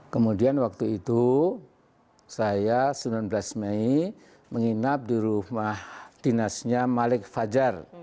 kemudian waktu itu saya sembilan belas mei menginap di rumah dinasnya malik fajar